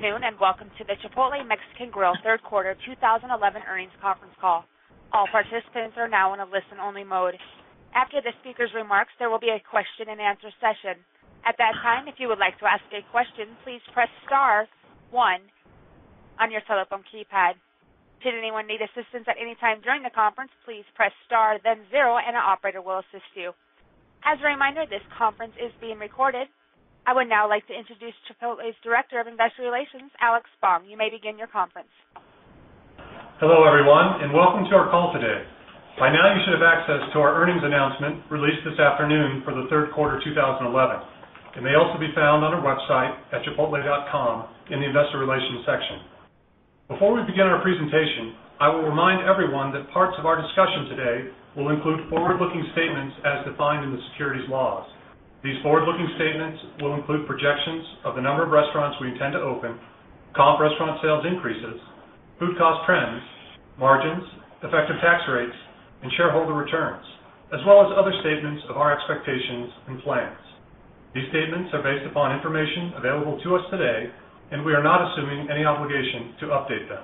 Good afternoon and welcome to the Chipotle Mexican Grill Third Quarter 2011 Earnings Conference Call. All participants are now on a listen-only mode. After the speaker's remarks, there will be a question and answer session. At that time, if you would like to ask a question, please press star one on your telephone keypad. Should anyone need assistance at any time during the conference, please press star, then zero, and an operator will assist you. As a reminder, this conference is being recorded. I would now like to introduce Chipotle's Director of Investor Relations, Alex Spong. You may begin your conference. Hello, everyone, and welcome to our call today. By now, you should have access to our earnings announcement released this afternoon for the third quarter 2011. It may also be found on our website at chipotle.com in the Investor Relations section. Before we begin our presentation, I will remind everyone that parts of our discussion today will include forward-looking statements as defined in the securities laws. These forward-looking statements will include projections of the number of restaurants we intend to open, comp restaurant sales increases, food cost trends, margins, effective tax rates, and shareholder returns, as well as other statements of our expectations and plans. These statements are based upon information available to us today, and we are not assuming any obligation to update them.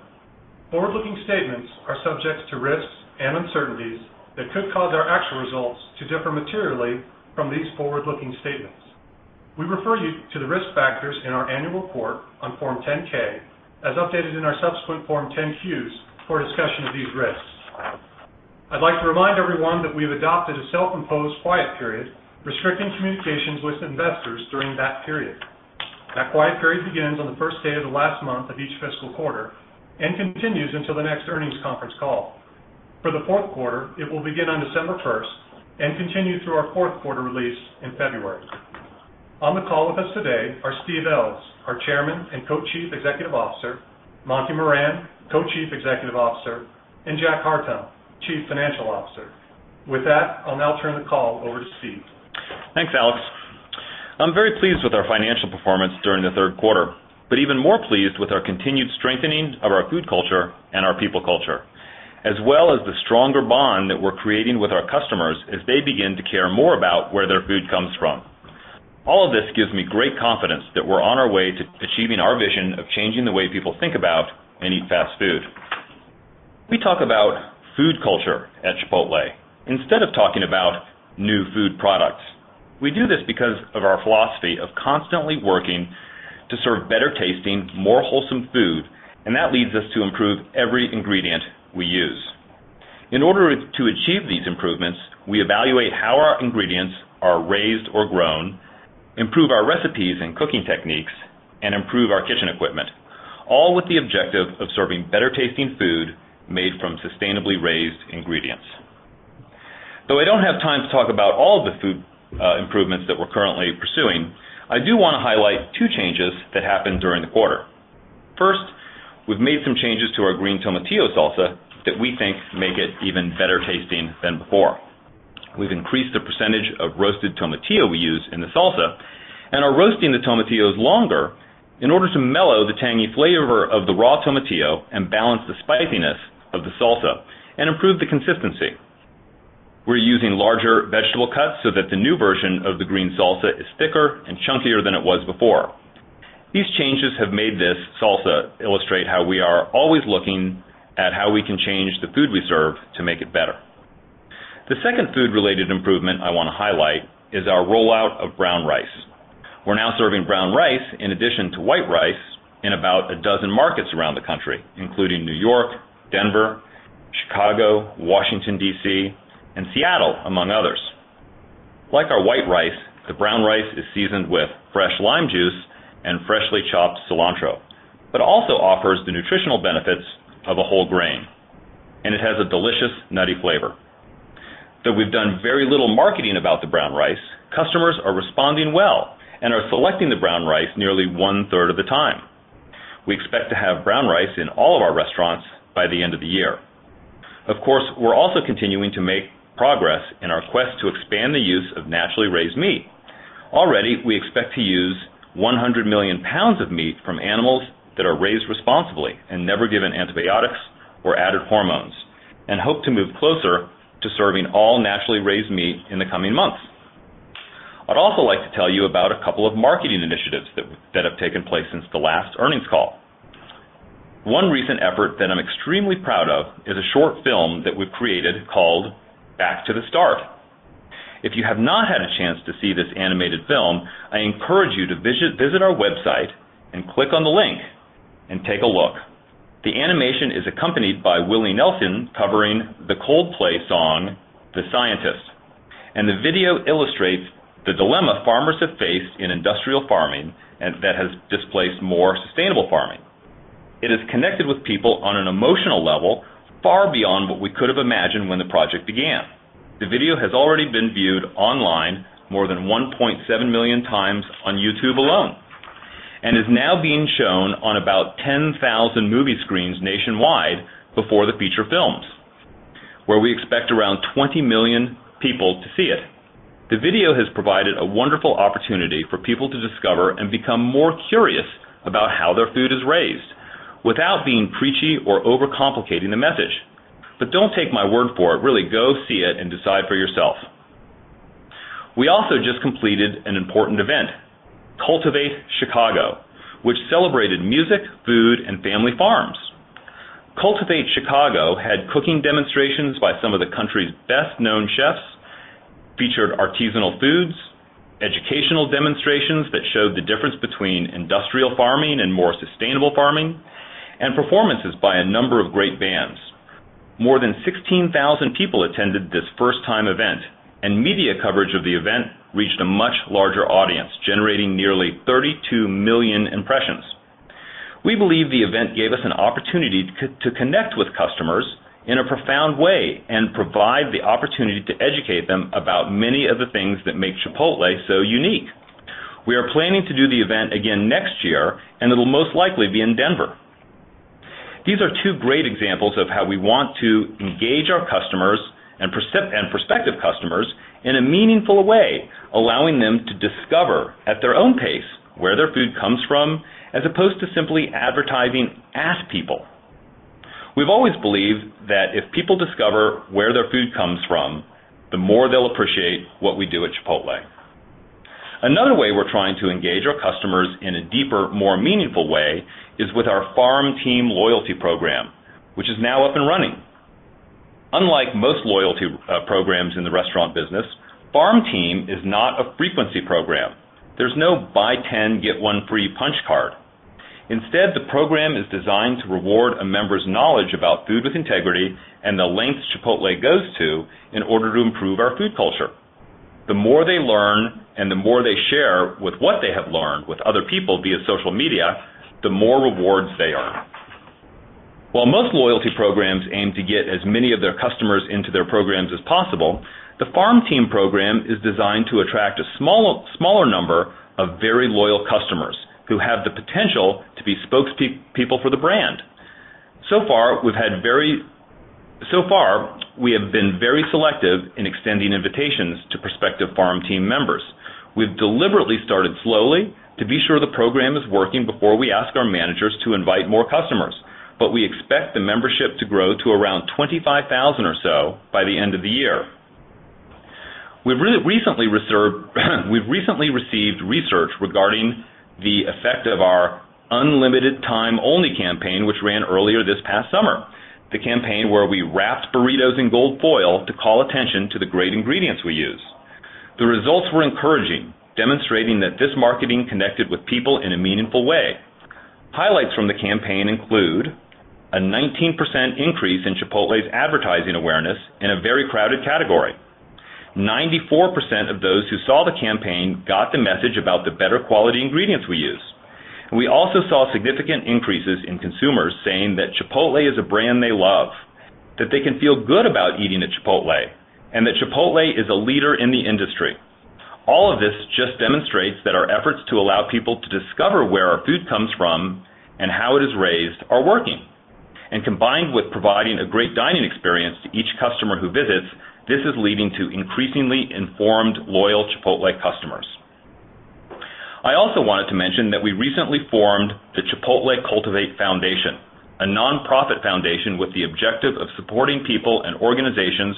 Forward-looking statements are subject to risks and uncertainties that could cause our actual results to differ materially from these forward-looking statements. We refer you to the risk factors in our annual report on Form 10-K, as updated in our subsequent Form 10-Qs for discussion of these risks. I'd like to remind everyone that we have adopted a self-imposed quiet period, restricting communications with investors during that period. That quiet period begins on the first day of the last month of each fiscal quarter and continues until the next earnings conference call. For the fourth quarter, it will begin on December 1st and continue through our fourth quarter release in February. On the call with us today are Steve Ells, our Chairman and Co-Chief Executive Officer, Monty Moran, Co-Chief Executive Officer, and Jack Hartung, Chief Financial Officer. With that, I'll now turn the call over to Steve. Thanks, Alex. I'm very pleased with our financial performance during the third quarter, but even more pleased with our continued strengthening of our food culture and our people culture, as well as the stronger bond that we're creating with our customers as they begin to care more about where their food comes from. All of this gives me great confidence that we're on our way to achieving our vision of changing the way people think about and eat fast food. We talk about food culture at Chipotle instead of talking about new food products. We do this because of our philosophy of constantly working to serve better-tasting, more wholesome food, and that leads us to improve every ingredient we use. In order to achieve these improvements, we evaluate how our ingredients are raised or grown, improve our recipes and cooking techniques, and improve our kitchen equipment, all with the objective of serving better-tasting food made from sustainably raised ingredients. Though I don't have time to talk about all of the food improvements that we're currently pursuing, I do want to highlight two changes that happened during the quarter. First, we've made some changes to our green tomatillo salsa that we think make it even better-tasting than before. We've increased the percentage of roasted tomatillo we use in the salsa and are roasting the tomatillos longer in order to mellow the tangy flavor of the raw tomatillo and balance the spiciness of the salsa and improve the consistency. We're using larger vegetable cuts so that the new version of the green salsa is thicker and chunkier than it was before. These changes have made this salsa illustrate how we are always looking at how we can change the food we serve to make it better. The second food-related improvement I want to highlight is our rollout of brown rice. We're now serving brown rice in addition to white rice in about a dozen markets around the country, including New York, Denver, Chicago, Washington, D.C., and Seattle, among others. Like our white rice, the brown rice is seasoned with fresh lime juice and freshly chopped cilantro, but also offers the nutritional benefits of a whole grain, and it has a delicious nutty flavor. Though we've done very little marketing about the brown rice, customers are responding well and are selecting the brown rice nearly 1/3 of the time. We expect to have brown rice in all of our restaurants by the end of the year. Of course, we're also continuing to make progress in our quest to expand the use of naturally raised meat. Already, we expect to use 100 million pounds of meat from animals that are raised responsibly and never given antibiotics or added hormones, and hope to move closer to serving all naturally raised meat in the coming months. I'd also like to tell you about a couple of marketing initiatives that have taken place since the last earnings call. One recent effort that I'm extremely proud of is a short film that we've created called "Back to the Start." If you have not had a chance to see this animated film, I encourage you to visit our website and click on the link and take a look. The animation is accompanied by Willie Nelson covering the Coldplay song "The Scientist," and the video illustrates the dilemma farmers have faced in industrial farming that has displaced more sustainable farming. It has connected with people on an emotional level far beyond what we could have imagined when the project began. The video has already been viewed online more than 1.7 million times on YouTube alone and is now being shown on about 10,000 movie screens nationwide before the feature films, where we expect around 20 million people to see it. The video has provided a wonderful opportunity for people to discover and become more curious about how their food is raised without being preachy or overcomplicating the message. Really, go see it and decide for yourself. We also just completed an important event, Cultivate Chicago, which celebrated music, food, and family farms. Cultivate Chicago had cooking demonstrations by some of the country's best-known chefs, featured artisanal foods, educational demonstrations that showed the difference between industrial farming and more sustainable farming, and performances by a number of great bands. More than 16,000 people attended this first-time event, and media coverage of the event reached a much larger audience, generating nearly 32 million impressions. We believe the event gave us an opportunity to connect with customers in a profound way and provide the opportunity to educate them about many of the things that make Chipotle so unique. We are planning to do the event again next year, and it'll most likely be in Denver. These are two great examples of how we want to engage our customers and prospective customers in a meaningful way, allowing them to discover at their own pace where their food comes from, as opposed to simply advertising at people. We've always believed that if people discover where their food comes from, the more they'll appreciate what we do at Chipotle. Another way we're trying to engage our customers in a deeper, more meaningful way is with our Farm Team loyalty program, which is now up and running. Unlike most loyalty programs in the restaurant business, Farm Team is not a frequency program. There's no buy 10, get one free punch card. Instead, the program is designed to reward a member's knowledge about food with integrity and the lengths Chipotle goes to in order to improve our food culture. The more they learn and the more they share what they have learned with other people via social media, the more rewards they earn. While most loyalty programs aim to get as many of their customers into their programs as possible, the Farm Team program is designed to attract a smaller number of very loyal customers who have the potential to be spokespeople for the brand. We have been very selective in extending invitations to prospective Farm Team members. We've deliberately started slowly to be sure the program is working before we ask our managers to invite more customers, but we expect the membership to grow to around 25,000 or so by the end of the year. We've recently received research regarding the effect of our limited time-only campaign, which ran earlier this past summer, the campaign where we wrapped burritos in gold foil to call attention to the great ingredients we use. The results were encouraging, demonstrating that this marketing connected with people in a meaningful way. Highlights from the campaign include a 19% increase in Chipotle's advertising awareness in a very crowded category. 94% of those who saw the campaign got the message about the better quality ingredients we use. We also saw significant increases in consumers saying that Chipotle is a brand they love, that they can feel good about eating at Chipotle, and that Chipotle is a leader in the industry. All of this just demonstrates that our efforts to allow people to discover where our food comes from and how it is raised are working. Combined with providing a great dining experience to each customer who visits, this is leading to increasingly informed, loyal Chipotle customers. I also wanted to mention that we recently formed the Chipotle Cultivate Foundation, a nonprofit foundation with the objective of supporting people and organizations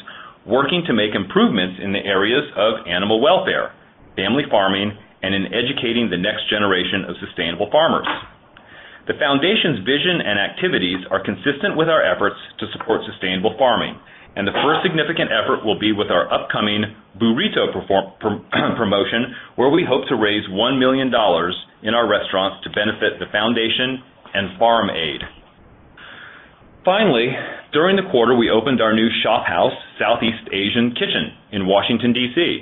working to make improvements in the areas of animal welfare, family farming, and in educating the next generation of sustainable farmers. The foundation's vision and activities are consistent with our efforts to support sustainable farming, and the first significant effort will be with our upcoming burrito promotion, where we hope to raise $1 million in our restaurants to benefit the foundation and Farm Aid. During the quarter, we opened our new ShopHouse Southeast Asian Kitchen in Washington, D.C.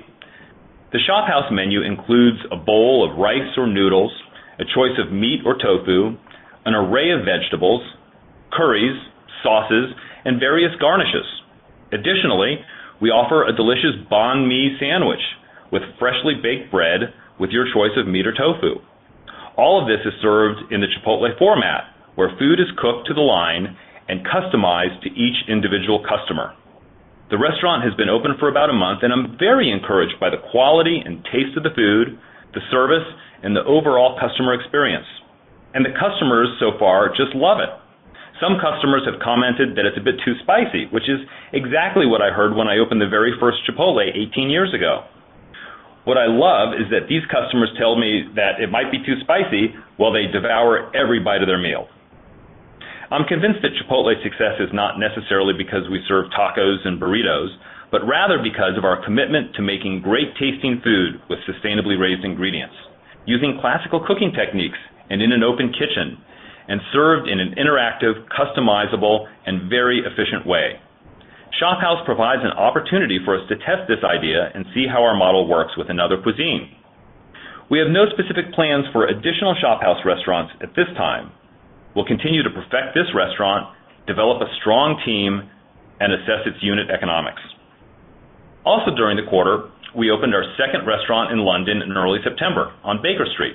The ShopHouse menu includes a bowl of rice or noodles, a choice of meat or tofu, an array of vegetables, curries, sauces, and various garnishes. Additionally, we offer a delicious banh mi sandwich with freshly baked bread, with your choice of meat or tofu. All of this is served in the Chipotle format, where food is cooked to the line and customized to each individual customer. The restaurant has been open for about a month, and I'm very encouraged by the quality and taste of the food, the service, and the overall customer experience. The customers so far just love it. Some customers have commented that it's a bit too spicy, which is exactly what I heard when I opened the very first Chipotle 18 years ago. What I love is that these customers tell me that it might be too spicy while they devour every bite of their meal. I'm convinced that Chipotle's success is not necessarily because we serve tacos and burritos, but rather because of our commitment to making great-tasting food with sustainably raised ingredients, using classical cooking techniques and in an open kitchen, and served in an interactive, customizable, and very efficient way. ShopHouse provides an opportunity for us to test this idea and see how our model works with another cuisine. We have no specific plans for additional ShopHouse restaurants at this time. We'll continue to perfect this restaurant, develop a strong team, and assess its unit economics. Also, during the quarter, we opened our second restaurant in London in early September on Baker Street.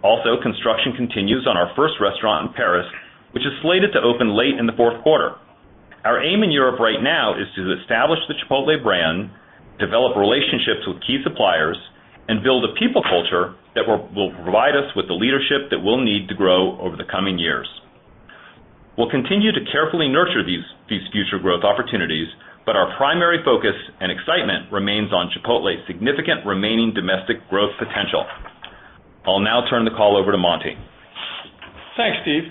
Construction continues on our first restaurant in Paris, which is slated to open late in the fourth quarter. Our aim in Europe right now is to establish the Chipotle brand, develop relationships with key suppliers, and build a people culture that will provide us with the leadership that we'll need to grow over the coming years. We'll continue to carefully nurture these future growth opportunities, yet our primary focus and excitement remains on Chipotle's significant remaining domestic growth potential. I'll now turn the call over to Monty. Thanks, Steve.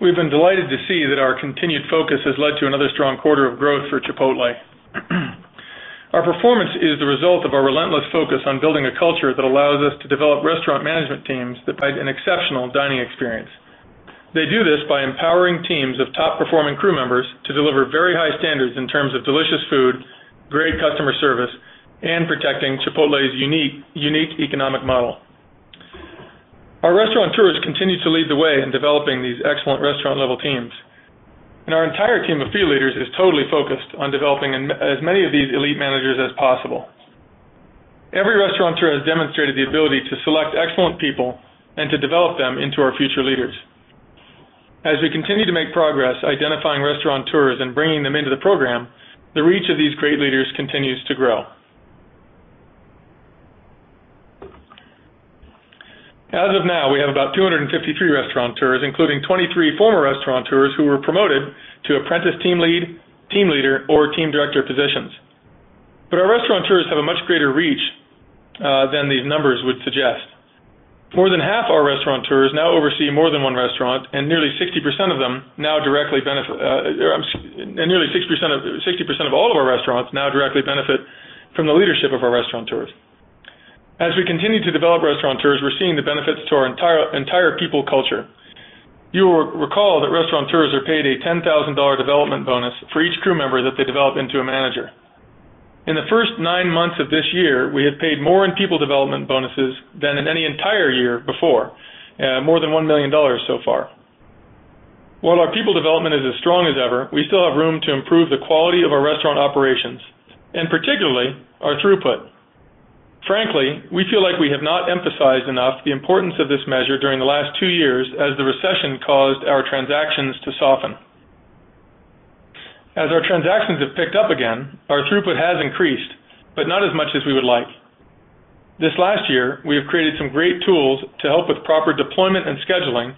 We've been delighted to see that our continued focus has led to another strong quarter of growth for Chipotle. Our performance is the result of our relentless focus on building a culture that allows us to develop restaurant management teams that provide an exceptional dining experience. They do this by empowering teams of top-performing crew members to deliver very high standards in terms of delicious food, great customer service, and protecting Chipotle's unique economic model. Our restaurateur program has continued to lead the way in developing these excellent restaurant-level teams, and our entire team of food leaders is totally focused on developing as many of these elite managers as possible. Every restaurateur has demonstrated the ability to select excellent people and to develop them into our future leaders. As we continue to make progress identifying restaurateurs and bringing them into the program, the reach of these great leaders continues to grow. As of now, we have about 253 restaurateurs, including 23 former restaurateurs who were promoted to apprentice team lead, team leader, or team director positions. Our restaurateurs have a much greater reach than these numbers would suggest. More than half our restaurateurs now oversee more than one restaurant, and nearly 60% of them now directly benefit from the leadership of our restaurateurs as we continue to develop restaurateurs. We're seeing the benefits to our entire people culture. You will recall that restaurateurs are paid a $10,000 development bonus for each crew member that they develop into a manager. In the first nine months of this year, we have paid more in people development bonuses than in any entire year before, more than $1 million so far. While our people development is as strong as ever, we still have room to improve the quality of our restaurant operations and particularly our throughput. Frankly, we feel like we have not emphasized enough the importance of this measure during the last two years as the recession caused our transactions to soften. As our transactions have picked up again, our throughput has increased, but not as much as we would like. This last year, we have created some great tools to help with proper deployment and scheduling,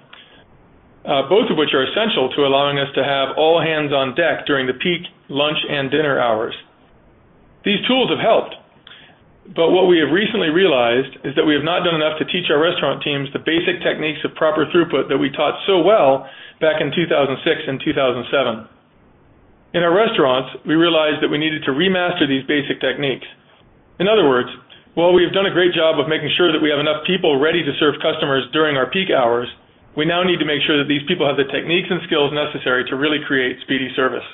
both of which are essential to allowing us to have all hands on deck during the peak lunch and dinner hours. These tools have helped, but what we have recently realized is that we have not done enough to teach our restaurant teams the basic techniques of proper throughput that we taught so well back in 2006 and 2007. In our restaurants, we realized that we needed to remaster these basic techniques. In other words, while we have done a great job of making sure that we have enough people ready to serve customers during our peak hours, we now need to make sure that these people have the techniques and skills necessary to really create speedy service.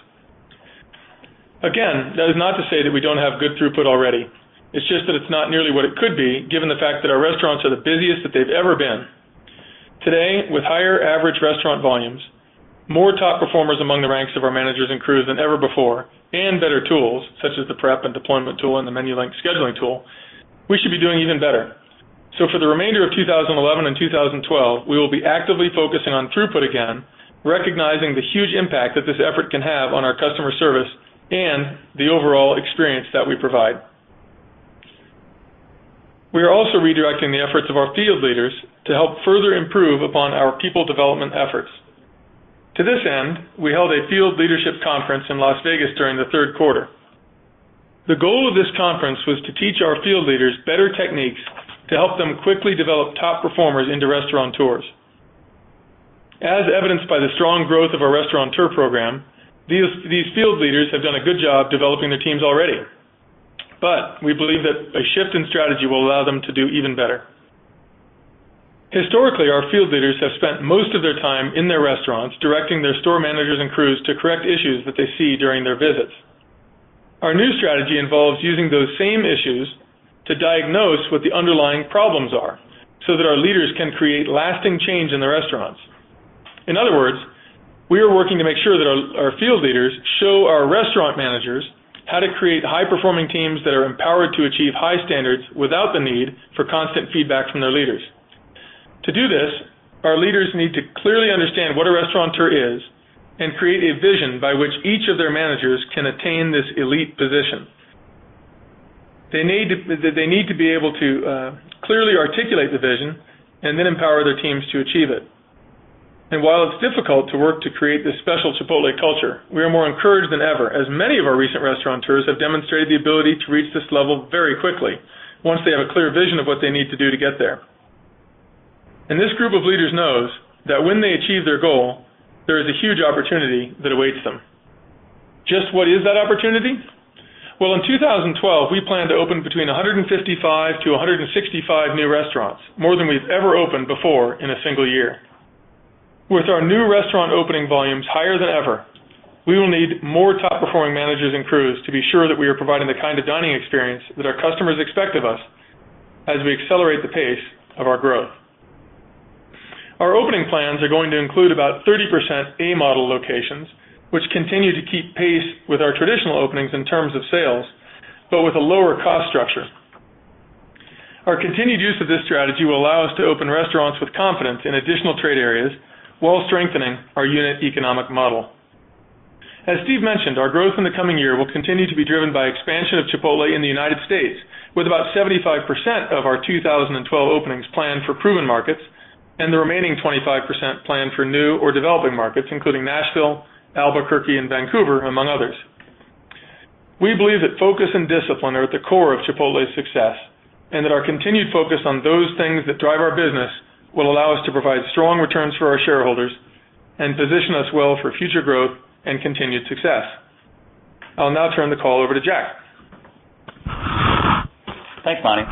Again, that is not to say that we don't have good throughput already. It's just that it's not nearly what it could be, given the fact that our restaurants are the busiest that they've ever been. Today, with higher average restaurant volumes, more top performers among the ranks of our managers and crews than ever before, and better tools such as the prep and deployment tool and the menu link scheduling tool, we should be doing even better. For the remainder of 2011 and 2012, we will be actively focusing on throughput again, recognizing the huge impact that this effort can have on our customer service and the overall experience that we provide. We are also redirecting the efforts of our field leaders to help further improve upon our people development efforts. To this end, we held a field leadership conference in Las Vegas during the third quarter. The goal of this conference was to teach our field leaders better techniques to help them quickly develop top performers into restaurateurs. As evidenced by the strong growth of our restaurateur program, these field leaders have done a good job developing their teams already, but we believe that a shift in strategy will allow them to do even better. Historically, our field leaders have spent most of their time in their restaurants directing their store managers and crews to correct issues that they see during their visits. Our new strategy involves using those same issues to diagnose what the underlying problems are so that our leaders can create lasting change in the restaurants. In other words, we are working to make sure that our field leaders show our restaurant managers how to create high-performing teams that are empowered to achieve high standards without the need for constant feedback from their leaders. To do this, our leaders need to clearly understand what a restaurateur is and create a vision by which each of their managers can attain this elite position. They need to be able to clearly articulate the vision and then empower their teams to achieve it. While it's difficult to work to create this special Chipotle culture, we are more encouraged than ever as many of our recent restaurateurs have demonstrated the ability to reach this level very quickly once they have a clear vision of what they need to do to get there. This group of leaders knows that when they achieve their goal, there is a huge opportunity that awaits them. Just what is that opportunity? In 2012, we plan to open between 155-165 new restaurants, more than we've ever opened before in a single year. With our new restaurant opening volumes higher than ever, we will need more top-performing managers and crews to be sure that we are providing the kind of dining experience that our customers expect of us as we accelerate the pace of our growth. Our opening plans are going to include about 30% A-model locations, which continue to keep pace with our traditional openings in terms of sales, but with a lower cost structure. Our continued use of this strategy will allow us to open restaurants with confidence in additional trade areas while strengthening our unit economic model. As Steve mentioned, our growth in the coming year will continue to be driven by expansion of Chipotle in the United States, with about 75% of our 2012 openings planned for proven markets and the remaining 25% planned for new or developing markets, including Nashville, Albuquerque, and Vancouver, among others. We believe that focus and discipline are at the core of Chipotle's success and that our continued focus on those things that drive our business will allow us to provide strong returns for our shareholders and position us well for future growth and continued success. I'll now turn the call over to Jack. Thanks, Monty.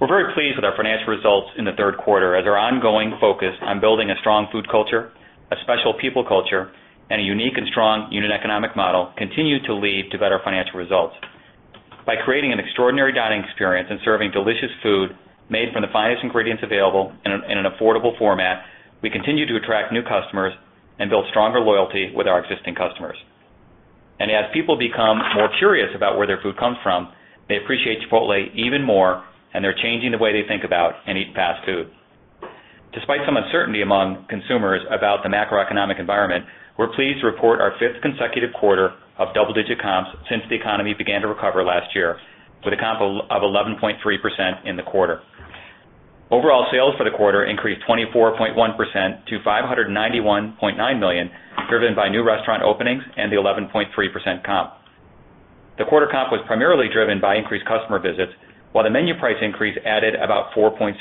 We're very pleased with our financial results in the third quarter as our ongoing focus on building a strong food culture, a special people culture, and a unique and strong unit economic model continue to lead to better financial results. By creating an extraordinary dining experience and serving delicious food made from the finest ingredients available in an affordable format, we continue to attract new customers and build stronger loyalty with our existing customers. As people become more curious about where their food comes from, they appreciate Chipotle even more, and they're changing the way they think about and eat fast food. Despite some uncertainty among consumers about the macroeconomic environment, we're pleased to report our fifth consecutive quarter of double-digit comps since the economy began to recover last year, with a comp of 11.3% in the quarter. Overall sales for the quarter increased 24.1% to $591.9 million, driven by new restaurant openings and the 11.3% comp. The quarter comp was primarily driven by increased customer visits, while the menu price increase added about 4.6%.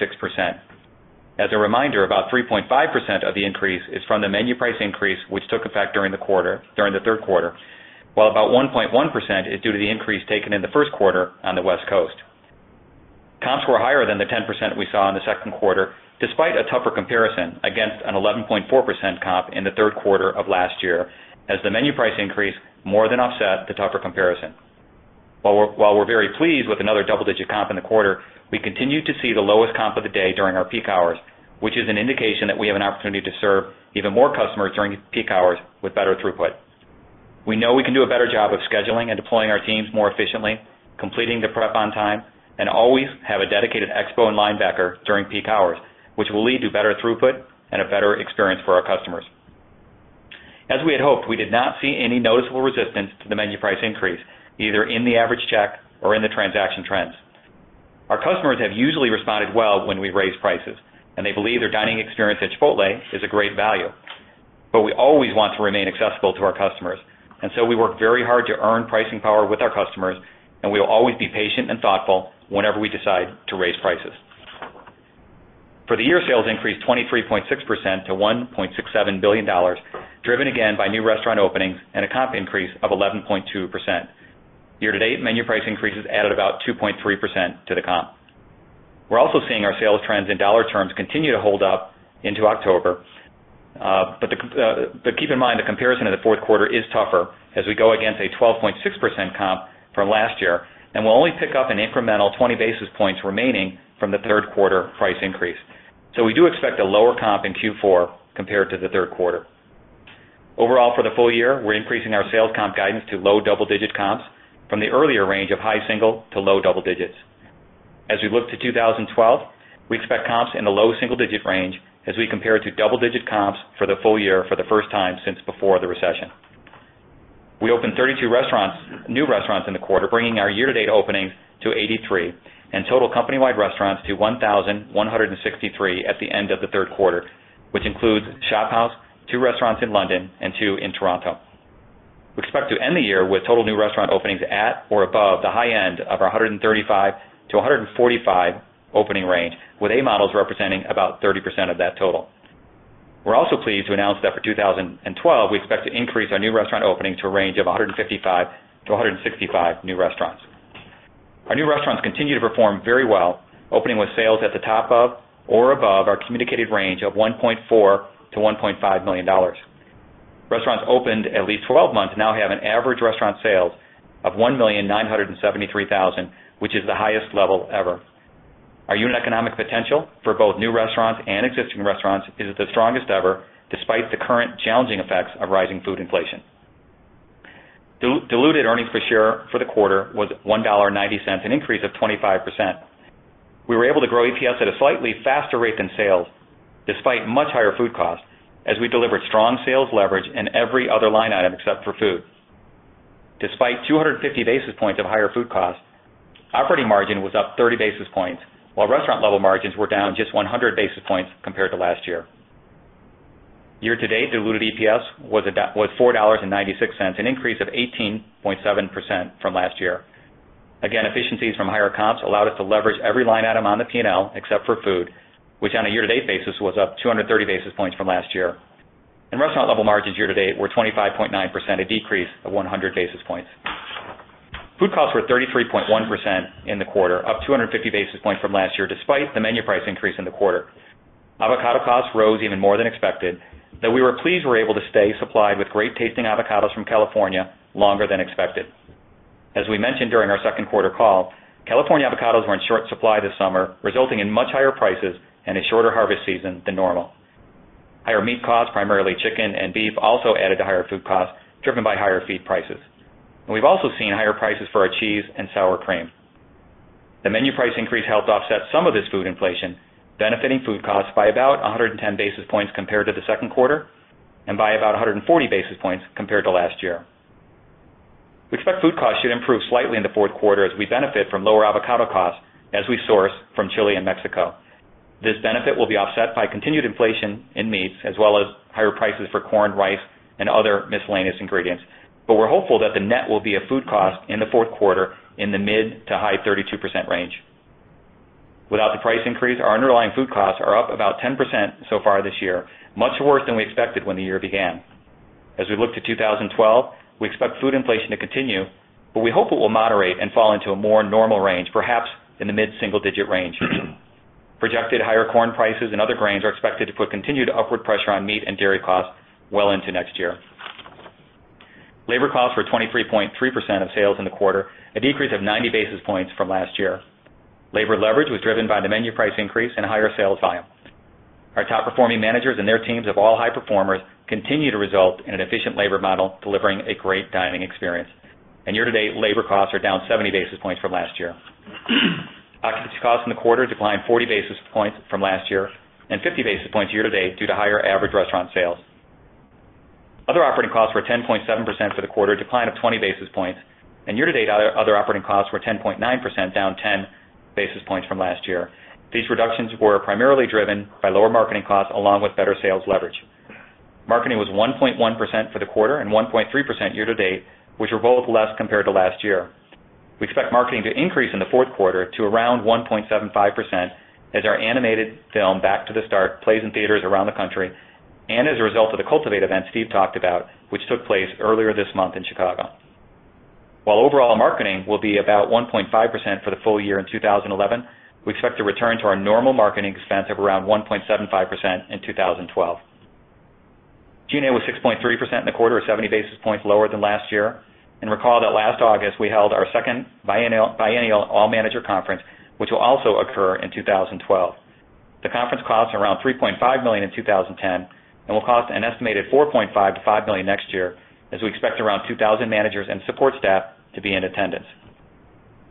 As a reminder, about 3.5% of the increase is from the menu price increase, which took effect during the third quarter, while about 1.1% is due to the increase taken in the first quarter on the West Coast. Comps were higher than the 10% we saw in the second quarter, despite a tougher comparison against an 11.4% comp in the third quarter of last year, as the menu price increase more than offset the tougher comparison. While we're very pleased with another double-digit comp in the quarter, we continue to see the lowest comp of the day during our peak hours, which is an indication that we have an opportunity to serve even more customers during peak hours with better throughput. We know we can do a better job of scheduling and deploying our teams more efficiently, completing the prep on time, and always have a dedicated expo and line backer during peak hours, which will lead to better throughput and a better experience for our customers. As we had hoped, we did not see any noticeable resistance to the menu price increase, either in the average check or in the transaction trends. Our customers have usually responded well when we raise prices, and they believe their dining experience at Chipotle is a great value. We always want to remain accessible to our customers, and we work very hard to earn pricing power with our customers, and we will always be patient and thoughtful whenever we decide to raise prices. For the year, sales increased 23.6% to $1.67 billion, driven again by new restaurant openings and a comp increase of 11.2%. Year-to-date menu price increases added about 2.3% to the comp. We're also seeing our sales trends in dollar terms continue to hold up into October. Keep in mind the comparison in the fourth quarter is tougher as we go against a 12.6% comp from last year and will only pick up an incremental 20 basis points remaining from the third quarter price increase. We do expect a lower comp in Q4 compared to the third quarter. Overall, for the full year, we're increasing our sales comp guidance to low double-digit comps from the earlier range of high single to low double digits. As we look to 2012, we expect comps in the low single-digit range as we compare to double-digit comps for the full year for the first time since before the recession. We opened 32 new restaurants in the quarter, bringing our year-to-date openings to 83 and total company-wide restaurants to 1,163 at the end of the third quarter, which includes ShopHouse, two restaurants in London, and two in Toronto. We expect to end the year with total new restaurant openings at or above the high end of our 135-145 opening range, with A-models representing about 30% of that total. We're also pleased to announce that for 2012, we expect to increase our new restaurant openings to a range of 155-165 new restaurants. Our new restaurants continue to perform very well, opening with sales at the top of or above our communicated range of $1.4 million-$1.5 million. Restaurants opened at least 12 months now have an average restaurant sales of $1,973,000, which is the highest level ever. Our unit economic potential for both new restaurants and existing restaurants is the strongest ever, despite the current challenging effects of rising food inflation. Diluted earnings for sure for the quarter was $1.90, an increase of 25%. We were able to grow EPS at a slightly faster rate than sales, despite much higher food costs, as we delivered strong sales leverage in every other line item except for food. Despite 250 basis points of higher food costs, operating margin was up 30 basis points, while restaurant-level margins were down just 100 basis points compared to last year. Year-to-date diluted EPS was $4.96, an increase of 18.7% from last year. Efficiencies from higher comps allowed us to leverage every line item on the P&L except for food, which on a year-to-date basis was up 230 basis points from last year. Restaurant-level margins year-to-date were 25.9%, a decrease of 100 basis points. Food costs were 33.1% in the quarter, up 250 basis points from last year, despite the menu price increase in the quarter. Avocado costs rose even more than expected, though we were pleased we were able to stay supplied with great-tasting avocados from California longer than expected. As we mentioned during our second quarter call, California avocados were in short supply this summer, resulting in much higher prices and a shorter harvest season than normal. Higher meat costs, primarily chicken and beef, also added to higher food costs, driven by higher feed prices. We have also seen higher prices for our cheese and sour cream. The menu price increase helped offset some of this food inflation, benefiting food costs by about 110 basis points compared to the second quarter and by about 140 basis points compared to last year. We expect food costs should improve slightly in the fourth quarter as we benefit from lower avocado costs as we source from Chile and Mexico. This benefit will be offset by continued inflation in meats, as well as higher prices for corn, rice, and other miscellaneous ingredients. We are hopeful that the net will be a food cost in the fourth quarter in the mid to high 32% range. Without the price increase, our underlying food costs are up about 10% so far this year, much worse than we expected when the year began. As we look to 2012, we expect food inflation to continue, but we hope it will moderate and fall into a more normal range, perhaps in the mid-single-digit range. Projected higher corn prices and other grains are expected to put continued upward pressure on meat and dairy costs well into next year. Labor costs were 23.3% of sales in the quarter, a decrease of 90 basis points from last year. Labor leverage was driven by the menu price increase and higher sales volume. Our top-performing managers and their teams of all high performers continue to result in an efficient labor model delivering a great dining experience. Year-to-date labor costs are down 70 basis points from last year. Oxygen costs in the quarter declined 40 basis points from last year and 50 basis points year-to-date due to higher average restaurant sales. Other operating costs were 10.7% for the quarter, a decline of 20 basis points. Year-to-date, other operating costs were 10.9%, down 10 basis points from last year. These reductions were primarily driven by lower marketing costs along with better sales leverage. Marketing was 1.1% for the quarter and 1.3% year-to-date, which were both less compared to last year. We expect marketing to increase in the fourth quarter to around 1.75% as our animated film "Back to the Start" plays in theaters around the country and as a result of the Cultivate event Steve talked about, which took place earlier this month in Chicago. While overall marketing will be about 1.5% for the full year in 2011, we expect to return to our normal marketing expense of around 1.75% in 2012. G&A was 6.3% in the quarter, 70 basis points lower than last year. Recall that last August we held our second biennial all-manager conference, which will also occur in 2012. The conference costs around $3.5 million in 2010 and will cost an estimated $4.5 to $5 million next year, as we expect around 2,000 managers and support staff to be in attendance.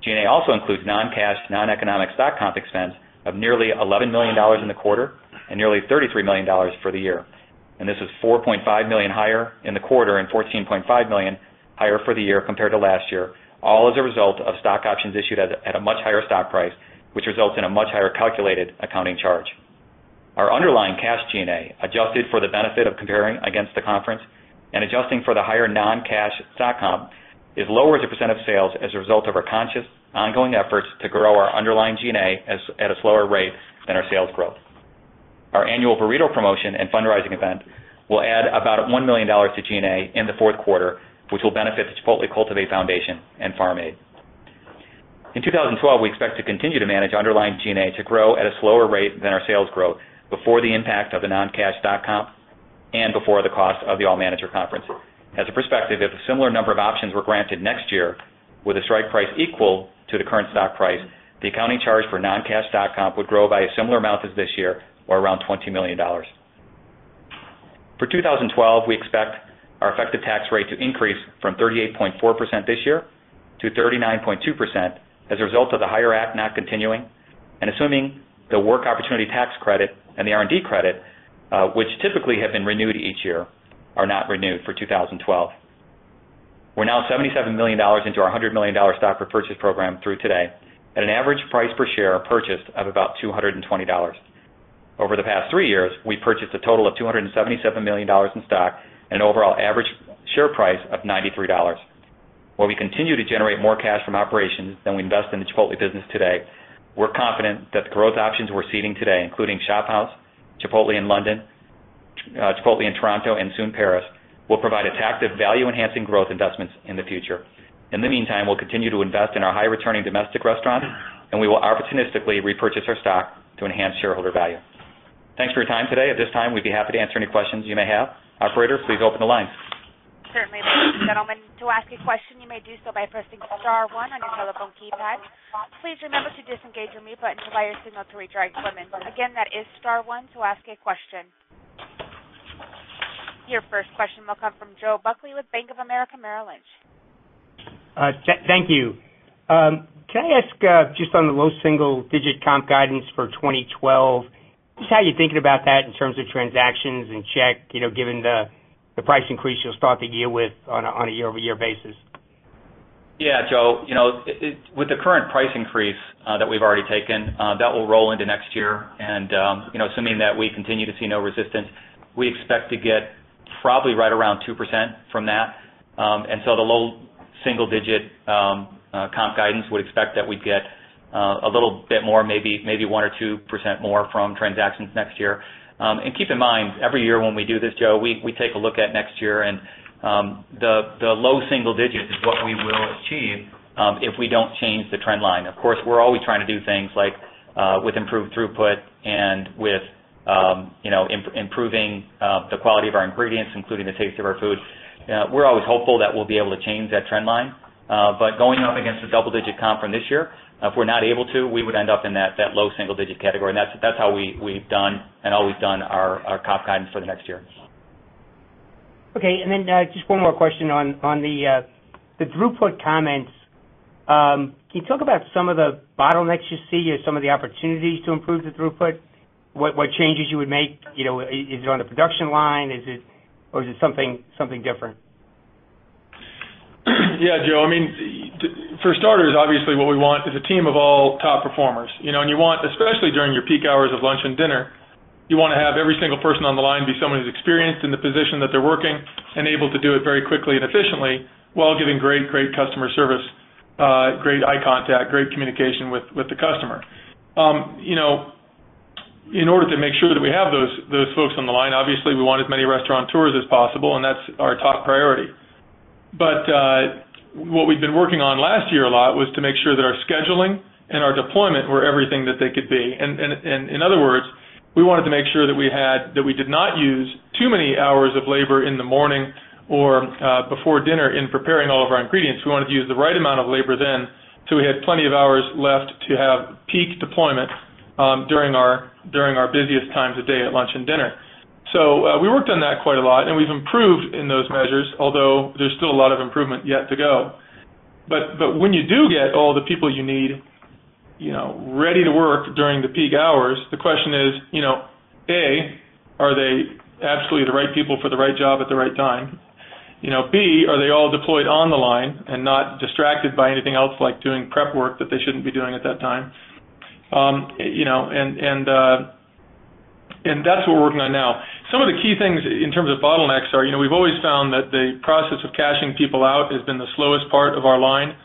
G&A also includes non-cash, non-economic stock comp expense of nearly $11 million in the quarter and nearly $33 million for the year. This is $4.5 million higher in the quarter and $14.5 million higher for the year compared to last year, all as a result of stock options issued at a much higher stock price, which results in a much higher calculated accounting charge. Our underlying cash G&A, adjusted for the benefit of comparing against the conference and adjusting for the higher non-cash stock comp, is lower as a percent of sales as a result of our conscious, ongoing efforts to grow our underlying G&A at a slower rate than our sales growth. Our annual burrito promotion and fundraising event will add about $1 million to G&A in the fourth quarter, which will benefit the Chipotle Cultivate Foundation and farm aid. In 2012, we expect to continue to manage underlying G&A to grow at a slower rate than our sales growth before the impact of the non-cash stock comp and before the cost of the all-manager conference. As a perspective, if a similar number of options were granted next year with a strike price equal to the current stock price, the accounting charge for non-cash stock comp would grow by a similar amount as this year, or around $20 million. For 2012, we expect our effective tax rate to increase from 38.4% this year to 39.2% as a result of the HIRE Act not continuing and assuming the Work Opportunity Tax Credit and the R&D credit, which typically have been renewed each year, are not renewed for 2012. We're now $77 million into our $100 million stock repurchase program through today, at an average price per share purchased of about $220. Over the past three years, we purchased a total of $277 million in stock at an overall average share price of $93. While we continue to generate more cash from operations than we invest in the Chipotle business today, we're confident that the growth options we're seeding today, including ShopHouse, Chipotle in London, Chipotle in Toronto, and soon Paris, will provide attractive, value-enhancing growth investments in the future. In the meantime, we'll continue to invest in our high-returning domestic restaurants, and we will opportunistically repurchase our stock to enhance shareholder value. Thanks for your time today. At this time, we'd be happy to answer any questions you may have. Operator, please open the lines. Certainly, ladies and gentlemen. To ask a question, you may do so by pressing star one on your telephone keypad. Please remember to disengage your mute buttons while you're sitting out to reach our equipment. That is star one to ask a question. Your first question will come from Joe Buckley with Bank of America Merrill Lynch. Thank you. Can I ask just on the low single-digit comp guidance for 2012, just how you're thinking about that in terms of transactions and check, you know, given the price increase you'll start the year with on a year-over-year basis? Yeah, Joe. With the current price increase that we've already taken, that will roll into next year. Assuming that we continue to see no resistance, we expect to get probably right around 2% from that. The low single-digit comp guidance, we expect that we'd get a little bit more, maybe 1% or 2% more from transactions next year. Keep in mind, every year when we do this, Joe, we take a look at next year, and the low single digit is what we will achieve if we don't change the trend line. Of course, we're always trying to do things like with improved throughput and with improving the quality of our ingredients, including the taste of our food. We're always hopeful that we'll be able to change that trend line. Going up against the double-digit comp from this year, if we're not able to, we would end up in that low single-digit category. That's how we've done and always done our comp guidance for the next year. OK. Just one more question on the throughput comments. Can you talk about some of the bottlenecks you see or some of the opportunities to improve the throughput? What changes would you make? You know, is it on the production line, or is it something different? Yeah, Joe. I mean, for starters, obviously what we want is a team of all top performers. You know, you want, especially during your peak hours of lunch and dinner, to have every single person on the line be someone who's experienced in the position that they're working and able to do it very quickly and efficiently while giving great, great customer service, great eye contact, great communication with the customer. In order to make sure that we have those folks on the line, obviously we want as many restaurateurs as possible, and that's our top priority. What we'd been working on last year a lot was to make sure that our scheduling and our deployment were everything that they could be. In other words, we wanted to make sure that we did not use too many hours of labor in the morning or before dinner in preparing all of our ingredients. We wanted to use the right amount of labor then, so we had plenty of hours left to have peak deployment during our busiest times of day at lunch and dinner. We worked on that quite a lot, and we've improved in those measures, although there's still a lot of improvement yet to go. When you do get all the people you need, ready to work during the peak hours, the question is, A, are they absolutely the right people for the right job at the right time? B, are they all deployed on the line and not distracted by anything else like doing prep work that they shouldn't be doing at that time? That's what we're working on now. Some of the key things in terms of bottlenecks are, we've always found that the process of cashing people out has been the slowest part of our line.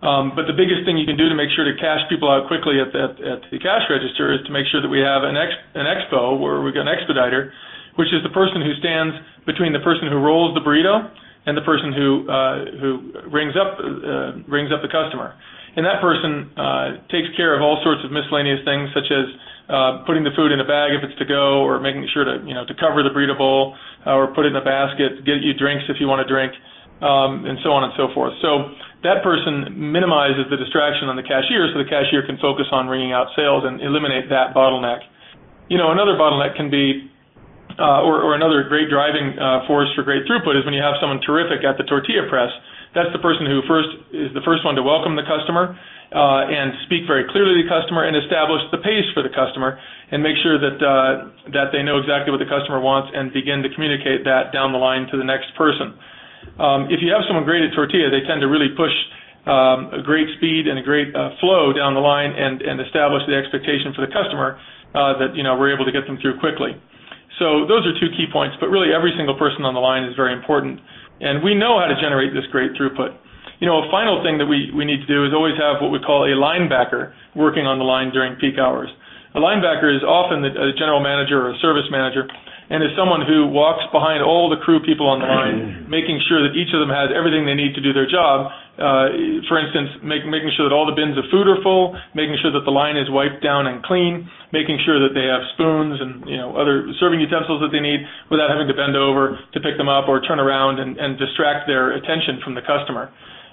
The biggest thing you can do to make sure to cash people out quickly at the cash register is to make sure that we have an expo where we've got an expediter, which is the person who stands between the person who rolls the burrito and the person who rings up the customer. That person takes care of all sorts of miscellaneous things, such as putting the food in a bag if it's to go or making sure to cover the burrito bowl or put it in a basket, get you drinks if you want a drink, and so on and so forth. That person minimizes the distraction on the cashier so the cashier can focus on ringing out sales and eliminate that bottleneck. You know, another bottleneck can be, or another great driving force for great throughput is when you have someone terrific at the tortilla press. That's the person who first is the first one to welcome the customer and speak very clearly to the customer and establish the pace for the customer and make sure that they know exactly what the customer wants and begin to communicate that down the line to the next person. If you have someone great at tortilla, they tend to really push great speed and a great flow down the line and establish the expectation for the customer that, you know, we're able to get them through quickly. Those are two key points. Really, every single person on the line is very important. We know how to generate this great throughput. A final thing that we need to do is always have what we call a line backer working on the line during peak hours. A line backer is often a General Manager or a Service Manager and is someone who walks behind all the crew people on the line, making sure that each of them has everything they need to do their job. For instance, making sure that all the bins of food are full, making sure that the line is wiped down and clean, making sure that they have spoons and, you know, other serving utensils that they need without having to bend over to pick them up or turn around and distract their attention from the customer.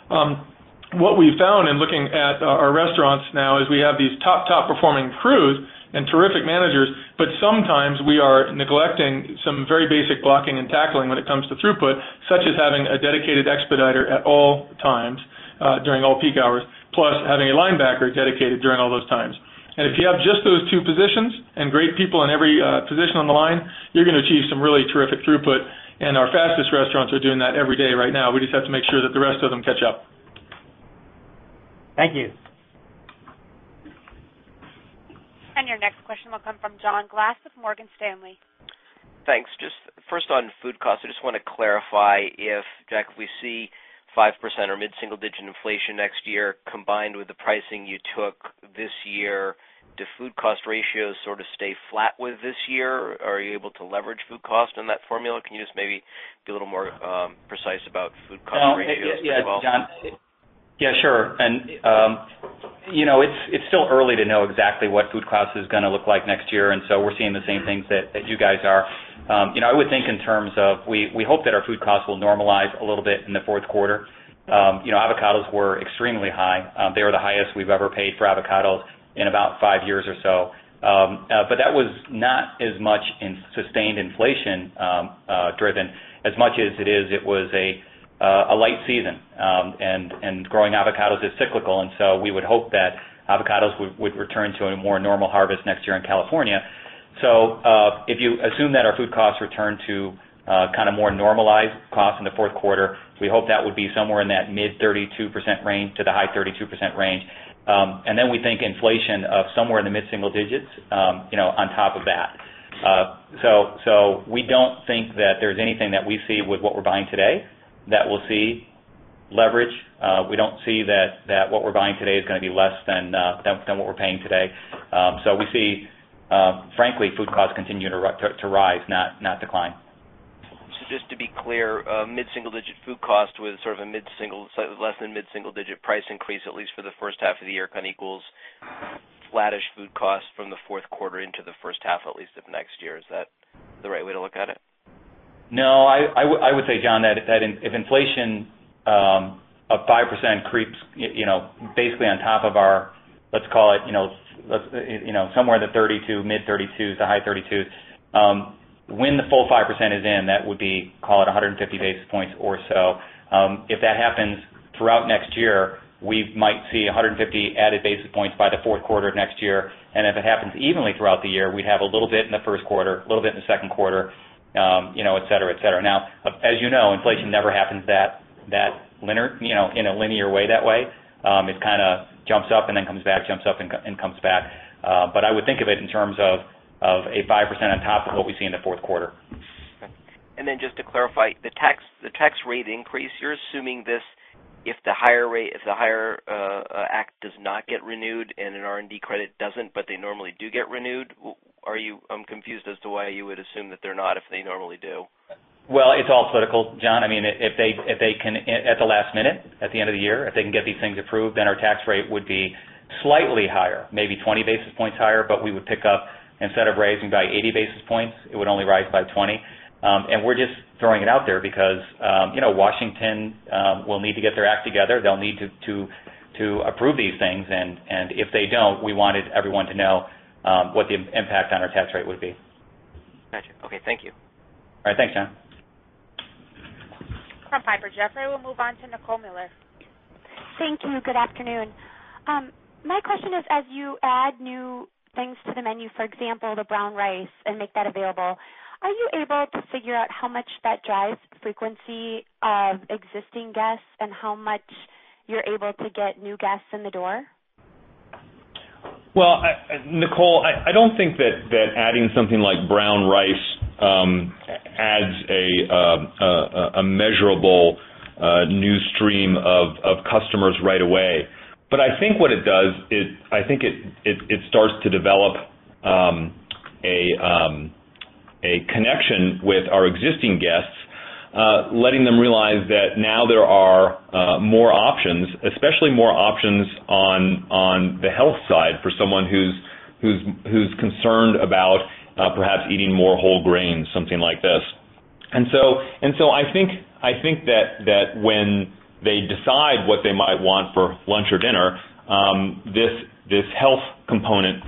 What we've found in looking at our restaurants now is we have these top, top-performing crews and terrific managers, but sometimes we are neglecting some very basic blocking and tackling when it comes to throughput, such as having a dedicated expediter at all times during all peak hours, plus having a line backer dedicated during all those times. If you have just those two positions and great people in every position on the line, you're going to achieve some really terrific throughput. Our fastest restaurants are doing that every day right now. We just have to make sure that the rest of them catch up. Thank you. Your next question will come from John Glass with Morgan Stanley. Thanks. Just first on food costs, I just want to clarify if, Jack, if we see 5% or mid-single-digit inflation next year combined with the pricing you took this year, do food cost ratios sort of stay flat with this year? Are you able to leverage food costs in that formula? Can you just maybe be a little more precise about food cost ratios? Yeah, John. Yeah, sure. You know, it's still early to know exactly what food costs are going to look like next year. We're seeing the same things that you guys are. I would think in terms of we hope that our food costs will normalize a little bit in the fourth quarter. Avocados were extremely high. They were the highest we've ever paid for avocados in about five years or so. That was not as much sustained inflation-driven as much as it was a light season. Growing avocados is cyclical. We would hope that avocados would return to a more normal harvest next year in California. If you assume that our food costs return to kind of more normalized costs in the fourth quarter, we hope that would be somewhere in that mid-32% range to the high 32% range. We think inflation of somewhere in the mid-single digits on top of that. We don't think that there's anything that we see with what we're buying today that we'll see leverage. We don't see that what we're buying today is going to be less than what we're paying today. We see, frankly, food costs continue to rise, not decline. Just to be clear, mid-single-digit food costs with sort of a less than mid-single-digit price increase, at least for the first half of the year, kind of equals flattish food costs from the fourth quarter into the first half, at least of next year. Is that the right way to look at it? No, I would say, John, that if inflation of 5% creeps, basically on top of our, let's call it, somewhere in the mid-32s to high 32s, when the full 5% is in, that would be, call it, 150 basis points or so. If that happens throughout next year, we might see 150 added basis points by the fourth quarter of next year. If it happens evenly throughout the year, we'd have a little bit in the first quarter, a little bit in the second quarter, et cetera, et cetera. As you know, inflation never happens that linear way. It kind of jumps up and then comes back, jumps up and comes back. I would think of it in terms of a 5% on top of what we see in the fourth quarter. To clarify, the tax rate increase, you're assuming this if the HIRE Act does not get renewed and an R&D credit doesn't, but they normally do get renewed. Are you confused as to why you would assume that they're not if they normally do? It's alphabetical, John. If they can at the last minute, at the end of the year, if they can get these things approved, then our tax rate would be slightly higher, maybe 20 basis points higher. We would pick up, instead of raising by 80 basis points, it would only rise by 20 basis points. We're just throwing it out there because, you know, Washington will need to get their act together. They'll need to approve these things. If they don't, we wanted everyone to know what the impact on our tax rate would be. Gotcha. OK, thank you. All right, thanks, John. From Piper Jaffray, we'll move on to Nicole Miller. Thank you. Good afternoon. My question is, as you add new things to the menu, for example, the brown rice, and make that available, are you able to figure out how much that drives the frequency of existing guests and how much you're able to get new guests in the door? Nicole, I don't think that adding something like brown rice adds a measurable new stream of customers right away. I think what it does is it starts to develop a connection with our existing guests, letting them realize that now there are more options, especially more options on the health side for someone who's concerned about perhaps eating more whole grains, something like this. I think that when they decide what they might want for lunch or dinner, this health component,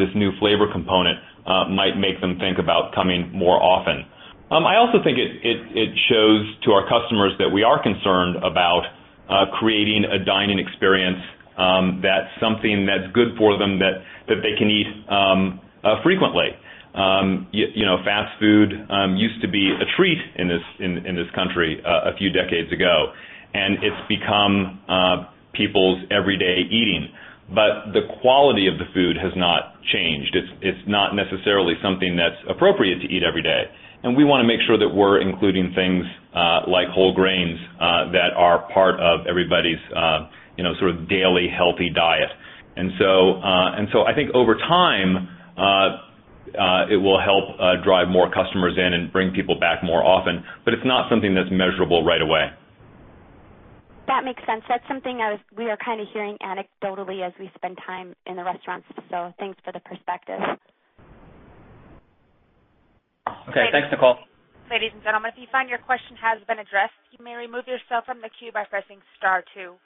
this new flavor component might make them think about coming more often. I also think it shows to our customers that we are concerned about creating a dining experience that's something that's good for them that they can eat frequently. You know, fast food used to be a treat in this country a few decades ago. It's become people's everyday eating, but the quality of the food has not changed. It's not necessarily something that's appropriate to eat every day. We want to make sure that we're including things like whole grains that are part of everybody's sort of daily healthy diet. I think over time it will help drive more customers in and bring people back more often, but it's not something that's measurable right away. That makes sense. That's something we are kind of hearing anecdotally as we spend time in the restaurants. Thanks for the perspective. OK, thanks, Nicole. Ladies and gentlemen, if you find your question has been addressed, you may remove yourself from the queue by pressing star two.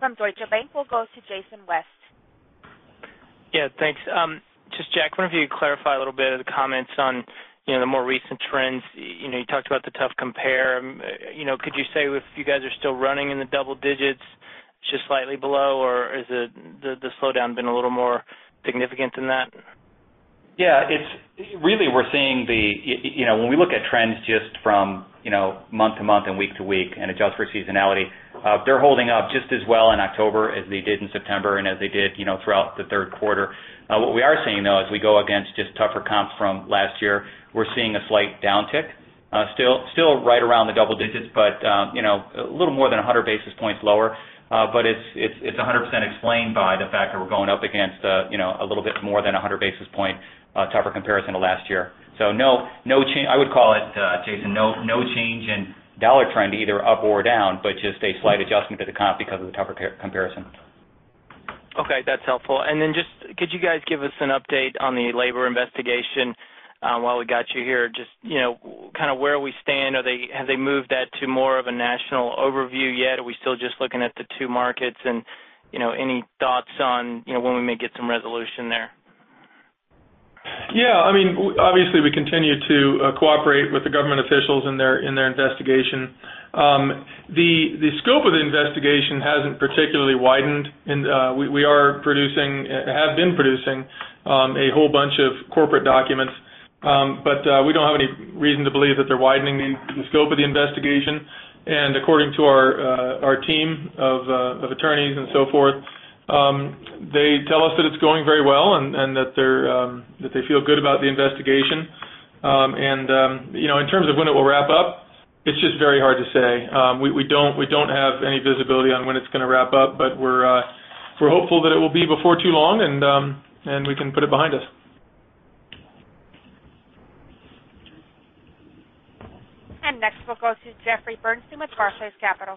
From Deutsche Bank, we'll go to Jason West. Yeah, thanks. Jack, if one of you could clarify a little bit of the comments on the more recent trends. You talked about the tough compare. Could you say if you guys are still running in the double digits, just slightly below, or has the slowdown been a little more significant than that? Yeah, we're seeing, you know, when we look at trends just from month-to-month and week-to-week and adjust for seasonality, they're holding up just as well in October as they did in September and as they did throughout the third quarter. What we are seeing, though, as we go against just tougher comps from last year, we're seeing a slight downtick, still right around the double digits, but a little more than 100 basis points lower. It's 100% explained by the fact that we're going up against a little bit more than 100 basis point tougher comparison to last year. I would call it, Jason, no change in dollar trend either up or down, just a slight adjustment to the comp because of the tougher comparison. OK, that's helpful. Could you guys give us an update on the labor investigation while we got you here? Just, you know, kind of where we stand. Have they moved that to more of a national overview yet? Are we still just looking at the two markets? Any thoughts on when we may get some resolution there? Yeah, I mean, obviously we continue to cooperate with the government officials in their investigation. The scope of the investigation hasn't particularly widened. We are producing and have been producing a whole bunch of corporate documents. We don't have any reason to believe that they're widening the scope of the investigation. According to our team of attorneys and so forth, they tell us that it's going very well and that they feel good about the investigation. In terms of when it will wrap up, it's just very hard to say. We don't have any visibility on when it's going to wrap up. We're hopeful that it will be before too long, and we can put it behind us. Next we'll go to Jeffrey Bernstein with Barclays Capital.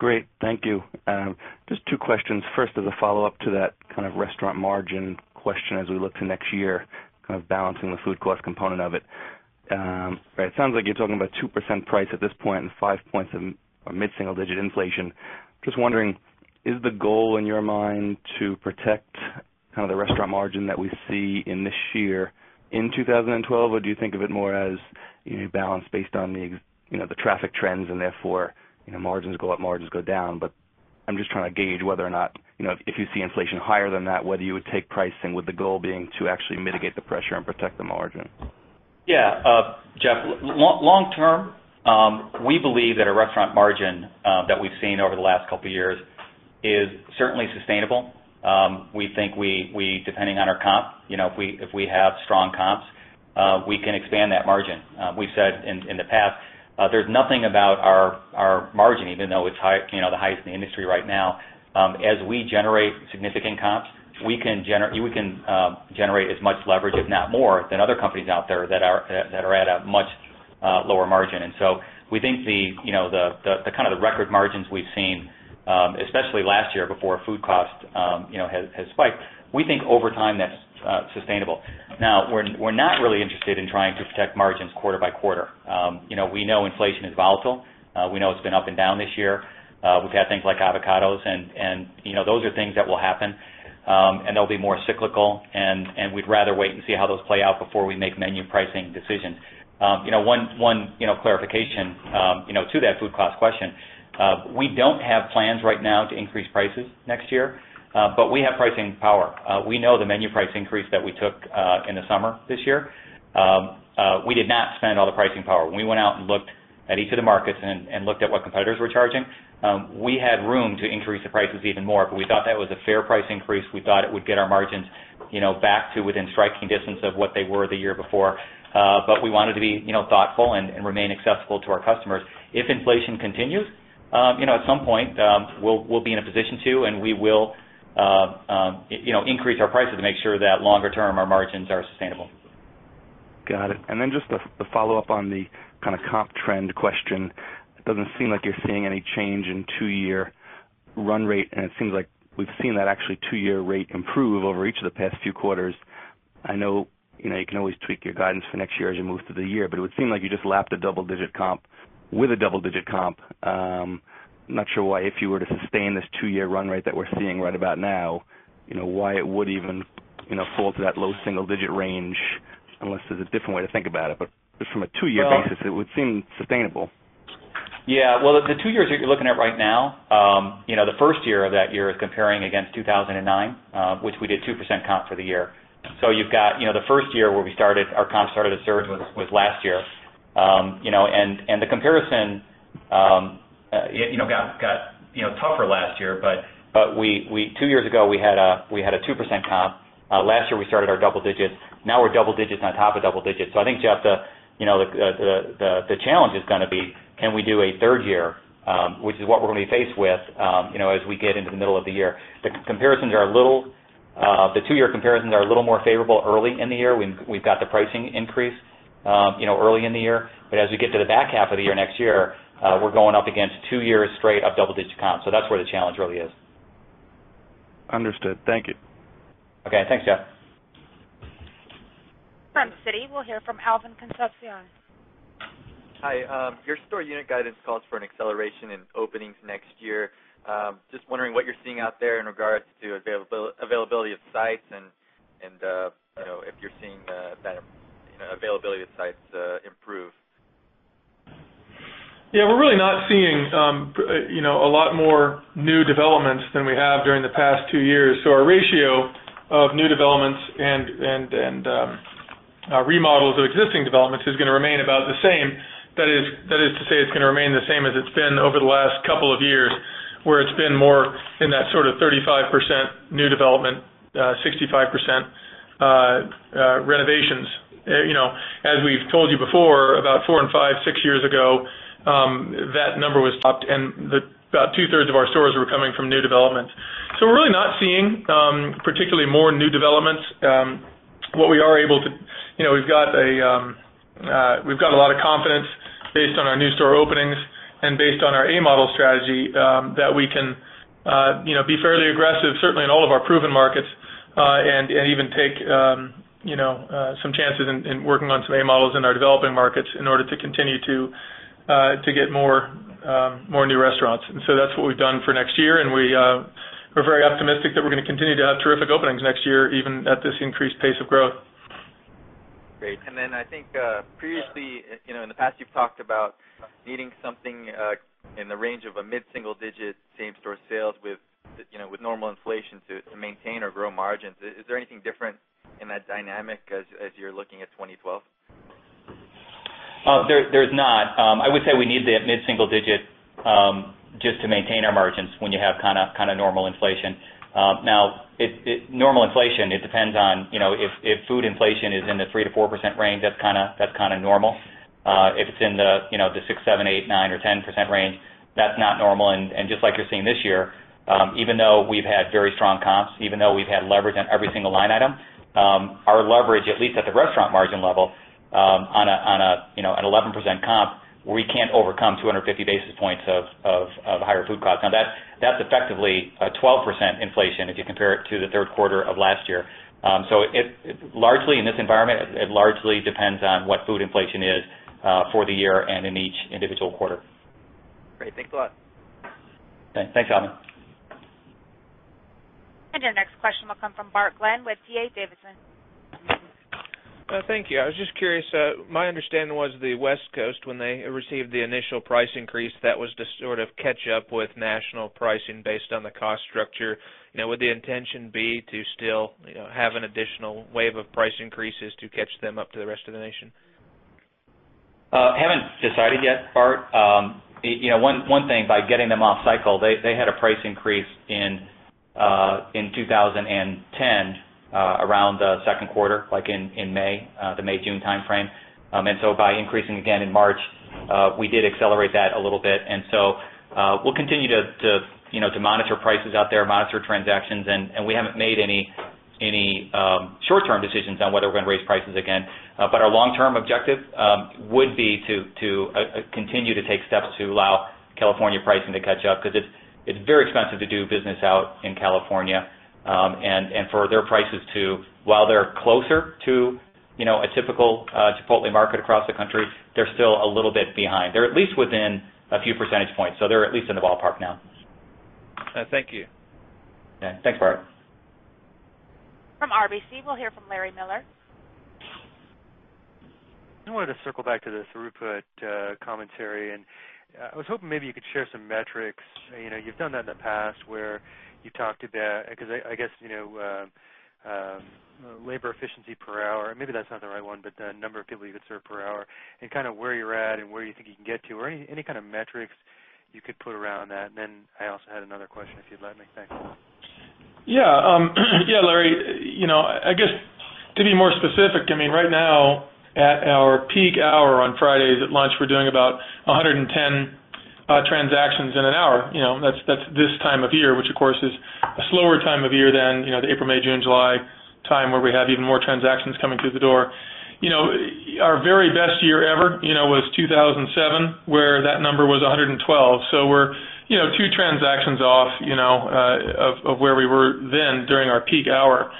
Great, thank you. Just two questions. First, as a follow-up to that kind of restaurant margin question as we look to next year, kind of balancing the food cost component of it. It sounds like you're talking about a 2% price at this point and 5 points of mid-single-digit inflation. Just wondering, is the goal in your mind to protect kind of the restaurant margin that we see in this year in 2012, or do you think of it more as you balance based on the traffic trends and therefore margins go up, margins go down? I'm just trying to gauge whether or not, you know, if you see inflation higher than that, whether you would take pricing with the goal being to actually mitigate the pressure and protect the margin. Yeah, Jeff, long term, we believe that a restaurant margin that we've seen over the last couple of years is certainly sustainable. We think, depending on our comp, you know, if we have strong comps, we can expand that margin. We've said in the past there's nothing about our margin, even though it's the highest in the industry right now. As we generate significant comps, we can generate as much leverage, if not more, than other companies out there that are at a much lower margin. We think the kind of the record margins we've seen, especially last year before food cost has spiked, we think over time that's sustainable. Now, we're not really interested in trying to protect margins quarter by quarter. We know inflation is volatile. We know it's been up and down this year. We've had things like avocados, and you know, those are things that will happen. They'll be more cyclical, and we'd rather wait and see how those play out before we make menu pricing decisions. One clarification to that food cost question, we don't have plans right now to increase prices next year, but we have pricing power. We know the menu price increase that we took in the summer this year, we did not spend all the pricing power. We went out and looked at each of the markets and looked at what competitors were charging. We had room to increase the prices even more, but we thought that was a fair price increase. We thought it would get our margins back to within striking distance of what they were the year before. We wanted to be thoughtful and remain accessible to our customers. If inflation continues, you know, at some point we'll be in a position to, and we will increase our prices to make sure that longer term our margins are sustainable. Got it. Just the follow-up on the kind of comp trend question. It doesn't seem like you're seeing any change in two-year run rate, and it seems like we've seen that actually two-year rate improve over each of the past few quarters. I know you can always tweak your guidance for next year as you move through the year, but it would seem like you just lapped a double-digit comp with a double-digit comp. I'm not sure why, if you were to sustain this two-year run rate that we're seeing right about now, you know, why it would even fall to that low single-digit range unless there's a different way to think about it. Just from a two-year basis, it would seem sustainable. Yeah, the two years that you're looking at right now, the first year of that is comparing against 2009, which we did 2% comps for the year. You've got the first year where our comps started at third was last year, and the comparison got tougher last year. Two years ago, we had a 2% comp. Last year, we started our double-digit. Now we're double digits on top of double digits. I think, Jeff, the challenge is going to be, can we do a third year, which is what we're going to be faced with as we get into the middle of the year? The comparisons are a little, the two-year comparisons are a little more favorable early in the year. We've got the pricing increase early in the year. As we get to the back half of the year next year, we're going up against two years straight of double-digit comps. That's where the challenge really is. Understood. Thank you. OK, thanks, Jeff. From Citi, we'll hear from Alvin Concepcion. Hi. Your store unit guidance calls for an acceleration in openings next year. Just wondering what you're seeing out there in regards to availability of sites, and if you're seeing that availability of sites improve. Yeah, we're really not seeing a lot more new developments than we have during the past two years. Our ratio of new developments and remodels of existing developments is going to remain about the same. That is to say, it's going to remain the same as it's been over the last couple of years, where it's been more in that sort of 35% new development, 65% renovations. As we've told you before, about four and five, six years ago, that number was up, and about 2/3 of our stores were coming from new developments. We're really not seeing particularly more new developments. What we are able to, we've got a lot of confidence based on our new store openings and based on our A-model strategy that we can be fairly aggressive, certainly in all of our proven markets, and even take some chances in working on some A-models in our developing markets in order to continue to get more new restaurants. That's what we've done for next year. We're very optimistic that we're going to continue to have terrific openings next year, even at this increased pace of growth. Great. I think previously, in the past, you've talked about needing something in the range of a mid-single-digit same-store sales with normal inflation to maintain or grow margins. Is there anything different in that dynamic as you're looking at 2012? There's not. I would say we need that mid-single-digit just to maintain our margins when you have kind of normal inflation. Now, normal inflation, it depends on, you know, if food inflation is in the 3%-4% range, that's kind of normal. If it's in the 6%, 7%, 8%, 9%, or 10% range, that's not normal. Just like you're seeing this year, even though we've had very strong comps, even though we've had leverage on every single line item, our leverage, at least at the restaurant margin level, on an 11% comp, we can't overcome 250 basis points of higher food costs. That's effectively 12% inflation if you compare it to the third quarter of last year. Largely in this environment, it largely depends on what food inflation is for the year and in each individual quarter. Great, thanks a lot. Thanks, Alvin. Your next question will come from Bart Glenn with D.A. Davidson. Thank you. I was just curious. My understanding was the West Coast, when they received the initial price increase, that was to sort of catch up with national pricing based on the cost structure. Now, would the intention be to still have an additional wave of price increases to catch them up to the rest of the nation? Haven't decided yet, Bart. You know, one thing, by getting them off cycle, they had a price increase in 2010 around the second quarter, like in May, the May-June time frame. By increasing again in March, we did accelerate that a little bit. We'll continue to monitor prices out there, monitor transactions. We haven't made any short-term decisions on whether we're going to raise prices again. Our long-term objective would be to continue to take steps to allow California pricing to catch up because it's very expensive to do business out in California. For their prices to, while they're closer to a typical Chipotle market across the country, they're still a little bit behind. They're at least within a few percentage points. They're at least in the ballpark now. Thank you. Thanks, Bart. From RBC, we'll hear from Larry Miller. I wanted to circle back to the throughput commentary. I was hoping maybe you could share some metrics. You know, you've done that in the past where you talked about, because I guess, you know, labor efficiency per hour, maybe that's not the right one, but the number of people you can serve per hour, and kind of where you're at and where you think you can get to, or any kind of metrics you could put around that. I also had another question, if you'd let me. Thanks. Yeah. Yeah, Larry. You know, I guess to be more specific, right now at our peak hour on Fridays at lunch, we're doing about 110 transactions in an hour. That's this time of year, which, of course, is a slower time of year than the April, May, June, July time where we have even more transactions coming through the door. Our very best year ever was 2007, where that number was 112. We're two transactions off of where we were then during our peak hour.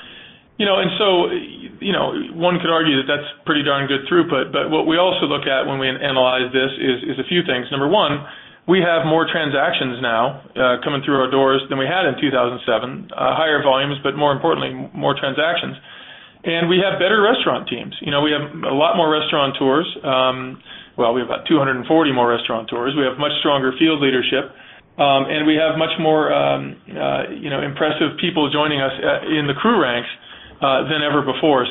One could argue that that's pretty darn good throughput. What we also look at when we analyze this is a few things. Number one, we have more transactions now coming through our doors than we had in 2007, higher volumes, but more importantly, more transactions. We have better restaurant teams. We have a lot more restaurateurs. We have about 240 more restaurateurs. We have much stronger field leadership. We have much more impressive people joining us in the crew ranks than ever before.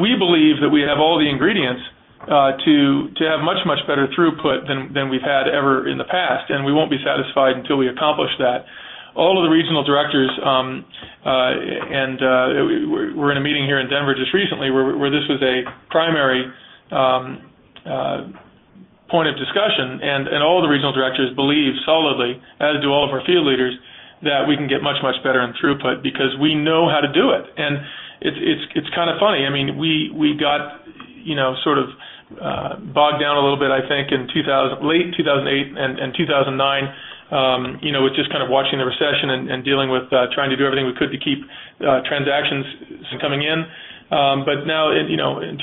We believe that we have all the ingredients to have much, much better throughput than we've had ever in the past. We won't be satisfied until we accomplish that. All of the Regional Directors, and we were in a meeting here in Denver just recently where this was a primary point of discussion. All the Regional Directors believe solidly, as do all of our field leaders, that we can get much, much better in throughput because we know how to do it. It's kind of funny. We got sort of bogged down a little bit, I think, in late 2008 and 2009, with just kind of watching the recession and dealing with trying to do everything we could to keep transactions coming in. In 2010,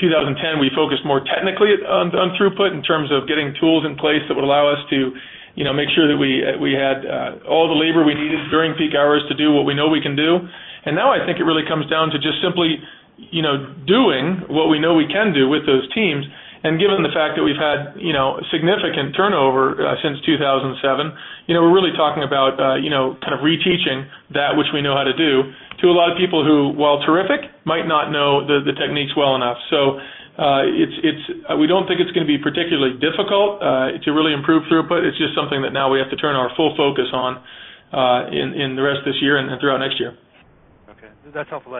we focused more technically on throughput in terms of getting tools in place that would allow us to make sure that we had all the labor we needed during peak hours to do what we know we can do. Now I think it really comes down to just simply doing what we know we can do with those teams. Given the fact that we've had significant turnover since 2007, we're really talking about kind of reteaching that which we know how to do to a lot of people who, while terrific, might not know the techniques well enough. We don't think it's going to be particularly difficult to really improve throughput. It's just something that now we have to turn our full focus on in the rest of this year and throughout next year. OK. That's helpful.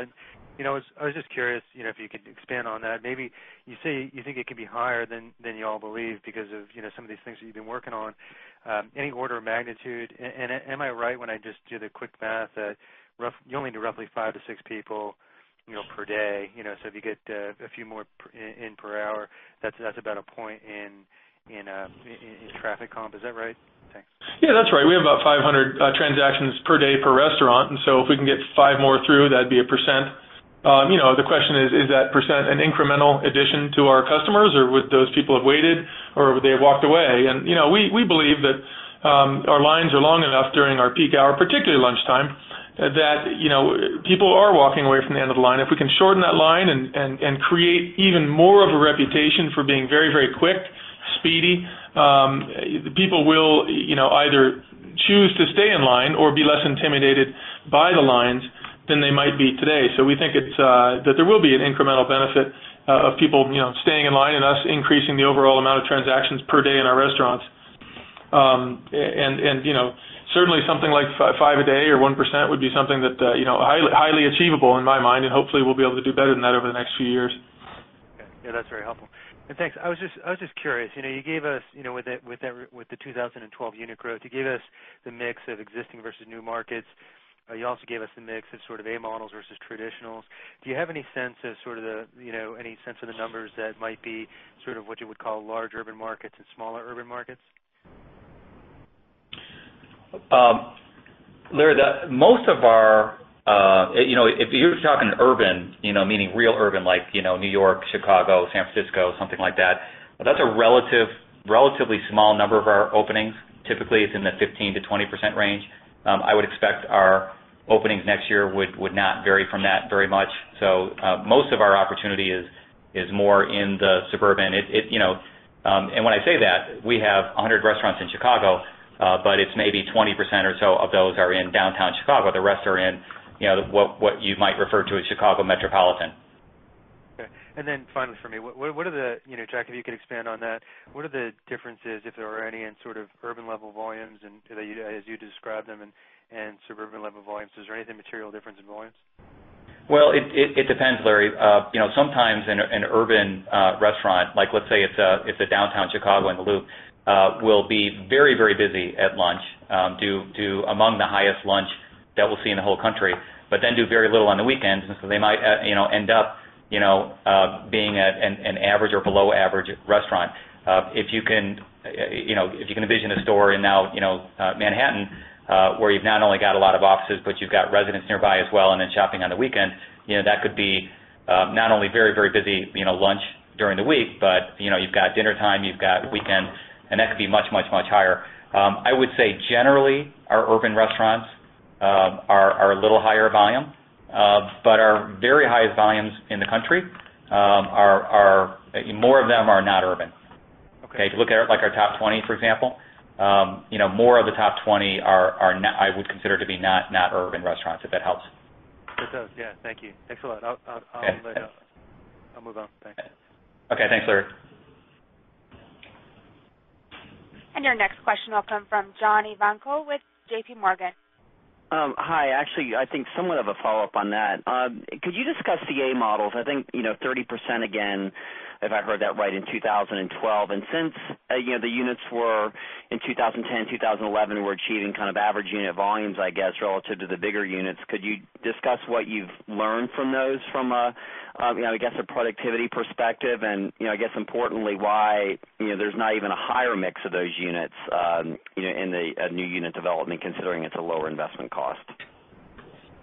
I was just curious if you could expand on that. Maybe you say you think it could be higher than you all believe because of some of these things that you've been working on. Any order of magnitude? Am I right when I just do the quick math that you only need roughly five to six people per day? If you get a few more in per hour, that's about a point in traffic comp. Is that right? Thanks. Yeah, that's right. We have about 500 transactions per day per restaurant. If we can get five more through, that'd be 1%. The question is, is that 1% an incremental addition to our customers, or would those people have waited, or would they have walked away? We believe that our lines are long enough during our peak hour, particularly lunchtime, that people are walking away from the end of the line. If we can shorten that line and create even more of a reputation for being very, very quick, speedy, people will either choose to stay in line or be less intimidated by the lines than they might be today. We think that there will be an incremental benefit of people staying in line and us increasing the overall amount of transactions per day in our restaurants. Certainly, something like five a day or 1% would be something that is highly achievable in my mind. Hopefully, we'll be able to do better than that over the next few years. OK. Yeah, that's very helpful. Thanks. I was just curious. You gave us, with the 2012 unit growth, the mix of existing versus new markets. You also gave us the mix of A-models versus traditionals. Do you have any sense of the numbers that might be what you would call large urban markets and smaller urban markets? Larry, most of our, you know, if you're talking urban, you know, meaning real urban, like, you know, New York, Chicago, San Francisco, something like that, that's a relatively small number of our openings. Typically, it's in the 15%-20% range. I would expect our openings next year would not vary from that very much. Most of our opportunity is more in the suburban. You know, and when I say that, we have 100 restaurants in Chicago, but it's maybe 20% or so of those are in downtown Chicago. The rest are in, you know, what you might refer to as Chicago metropolitan. OK. Finally for me, what are the, you know, Jack, if you could expand on that, what are the differences, if there are any, in sort of urban-level volumes as you describe them and suburban-level volumes? Is there anything material difference in volumes? It depends, Larry. Sometimes an urban restaurant, like let's say it's a downtown Chicago in the Loop, will be very, very busy at lunch, do among the highest lunch that we'll see in the whole country, but then do very little on the weekends. They might end up being an average or below-average restaurant. If you can envision a store in, you know, Manhattan, where you've not only got a lot of offices, but you've got residents nearby as well, and then shopping on the weekend, that could be not only very, very busy lunch during the week, but you've got dinner time, you've got weekend, and that could be much, much, much higher. I would say generally, our urban restaurants are a little higher volume, but our very highest volumes in the country, more of them are not urban. OK. If you look at our top 20, for example, more of the top 20 are, I would consider to be, not urban restaurants, if that helps. It does. Yeah, thank you. Thanks a lot. I'll move on. Thanks. OK, thanks, Larry. Your next question will come from John Ivankoe with JPMorgan. Hi. Actually, I think somewhat of a follow-up on that. Could you discuss the A-models? I think, you know, 30% again, if I heard that right, in 2012. Since the units were in 2010, 2011, we're achieving kind of average unit volumes, I guess, relative to the bigger units. Could you discuss what you've learned from those from a productivity perspective? Importantly, why there's not even a higher mix of those units in the new unit development, considering it's a lower investment cost?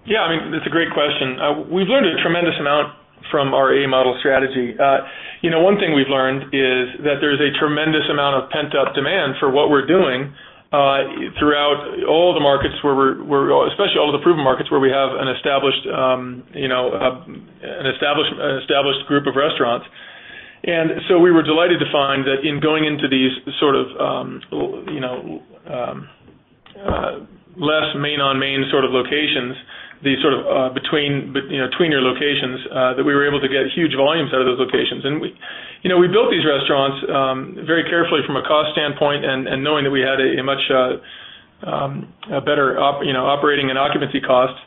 Yeah, I mean, that's a great question. We've learned a tremendous amount from our A-model strategy. One thing we've learned is that there's a tremendous amount of pent-up demand for what we're doing throughout all the markets where we are, especially all of the proven markets where we have an established group of restaurants. We were delighted to find that in going into these sort of less main-on-main locations, these sort of between your locations, we were able to get huge volumes out of those locations. We built these restaurants very carefully from a cost standpoint and knowing that we had a much better operating and occupancy cost,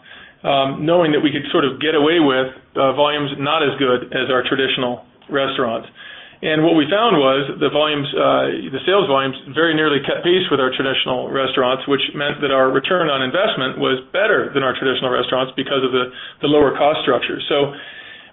knowing that we could sort of get away with volumes not as good as our traditional restaurants. What we found was the sales volumes very nearly kept pace with our traditional restaurants, which meant that our return on investment was better than our traditional restaurants because of the lower cost structure.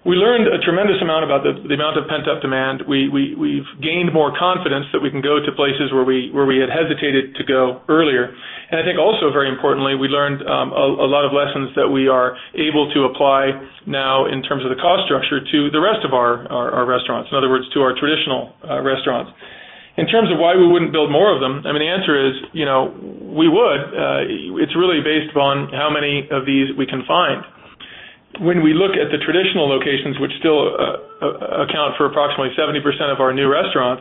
We learned a tremendous amount about the amount of pent-up demand. We've gained more confidence that we can go to places where we had hesitated to go earlier. I think also very importantly, we learned a lot of lessons that we are able to apply now in terms of the cost structure to the rest of our restaurants, in other words, to our traditional restaurants. In terms of why we wouldn't build more of them, the answer is we would. It's really based upon how many of these we can find. When we look at the traditional locations, which still account for approximately 70% of our new restaurants,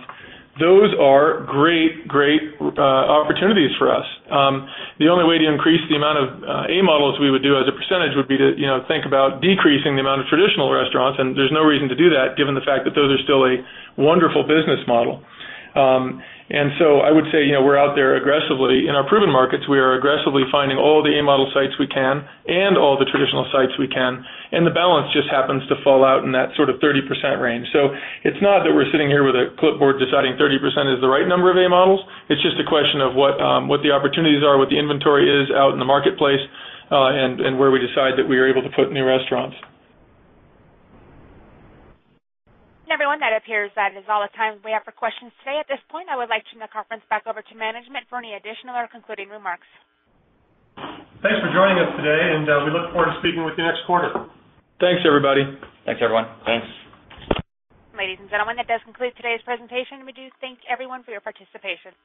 those are great, great opportunities for us. The only way to increase the amount of A-models we would do as a percentage would be to think about decreasing the amount of traditional restaurants. There's no reason to do that, given the fact that those are still a wonderful business model. I would say we are out there aggressively in our proven markets. We are aggressively finding all the A-model sites we can and all the traditional sites we can. The balance just happens to fall out in that sort of 30% range. It's not that we're sitting here with a clipboard deciding 30% is the right number of A-models. It's just a question of what the opportunities are, what the inventory is out in the marketplace, and where we decide that we are able to put new restaurants. That appears that is all the time we have for questions today. At this point, I would like to conference back over to management for any additional or concluding remarks. Thanks for joining us today. We look forward to speaking with you next quarter. Thanks, everybody. Thanks, everyone. Thanks. Ladies and gentlemen, that does conclude today's presentation. We do thank everyone for your participation.